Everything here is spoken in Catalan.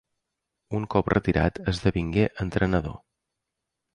Un cop retirat esdevingué entrenador.